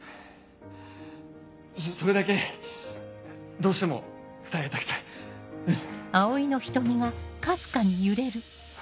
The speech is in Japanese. それだけどうしても伝えたくてうん。